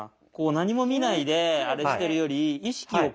何も見ないであれしてるより意識をこう。